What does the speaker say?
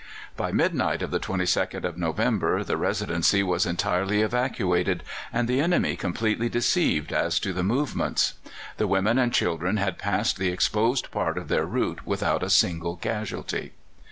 By midnight of the 22nd of November the Residency was entirely evacuated, and the enemy completely deceived as to the movements. The women and children had passed the exposed part of their route without a single casualty.